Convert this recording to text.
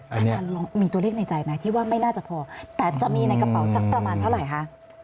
อาจารย์ลองมีตัวเลขในใจไหมที่ว่าไม่น่าจะพอแต่จะมีในกระเป๋าสักประมาณเท่าไหร่คะ